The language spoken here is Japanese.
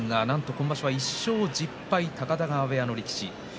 今場所は１勝１０敗高田川部屋の力士。